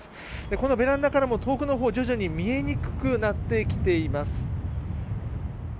このベランダからも遠くのほう徐々に見えにくくなってきています。